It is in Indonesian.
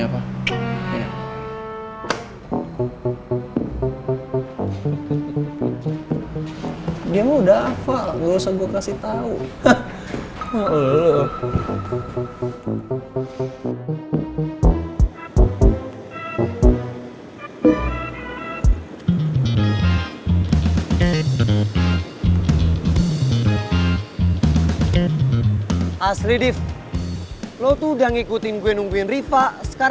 kalau gitu gue balik